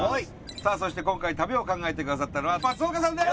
さあそして今回旅を考えてくださったのは松岡さんです！